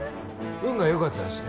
運がよかったですね